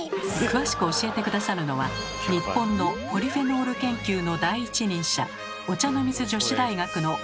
詳しく教えて下さるのは日本のポリフェノール研究の第一人者